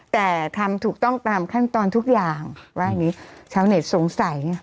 แต่ทำถูกต้องตามขั้นตอนทุกอย่างว่าอย่างนี้ชาวเน็ตสงสัยไง